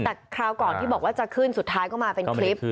แต่คราวก่อนที่บอกว่าจะขึ้นสุดท้ายก็มาเป็นคลิป